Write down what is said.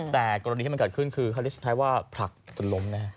แต่กรณีที่มันเกิดขึ้นคือคาลิสสุดท้ายว่าผลักจนล้มแน่